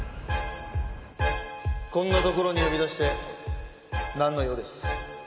こんな所に呼び出してなんの用です？